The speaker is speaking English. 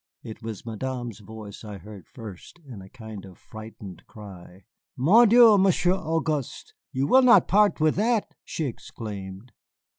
It was Madame's voice I heard first, in a kind of frightened cry. "Mon Dieu, Monsieur Auguste, you will not part with that!" she exclaimed.